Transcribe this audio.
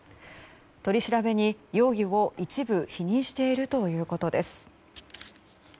取り調べに、容疑を一部否認しているということです。